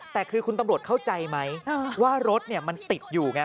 แต่คือคุณตำรวจเข้าใจไหมว่ารถมันติดอยู่ไง